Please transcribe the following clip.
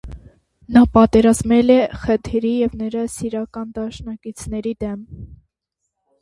Նա պատերազմել է խեթերի և նրա սիրիական դաշնակիցների դեմ։